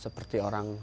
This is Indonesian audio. seperti orang pak hikmat